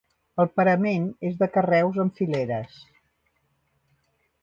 El parament és de carreus en fileres.